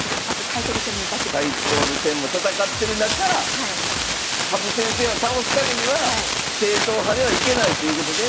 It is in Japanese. タイトル戦も戦ってる中羽生先生を倒すためには正統派ではいけないということで。